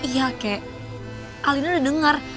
iya kayak alina udah dengar